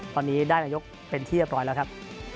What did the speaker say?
ตอนนี้ได้จะนายกเป็นที่พร้อมแล้วครับ